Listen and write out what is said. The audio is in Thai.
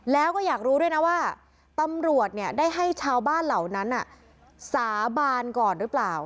แล้วก็อยากรู้ด้วยนะว่าตำรวจได้ให้ชาวบ้านเหล่านั้นสาบานก่อนหรือเปล่า